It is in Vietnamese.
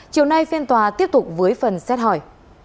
chiều nay phiên tòa tiếp tục với phần xét hỏi